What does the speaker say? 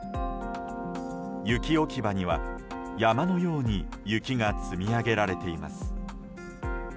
雪置き場には山のように雪が積み上げられています。